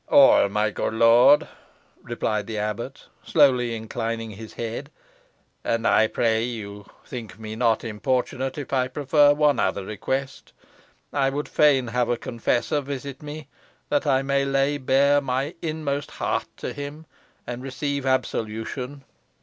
"All, my good lord," replied the abbot, lowly inclining his head; "and I pray you think me not importunate, if I prefer one other request. I would fain have a confessor visit me, that I may lay bare my inmost heart to him, and receive absolution."